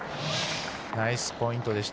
ナイスポイントでした。